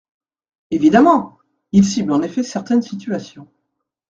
Évidemment ! Il cible en effet certaines situations.